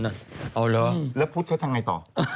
แล้วพุธเขาทำยังไงต่อ